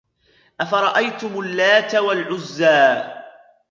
أَفَرَأَيْتُمُ اللَّاتَ وَالْعُزَّى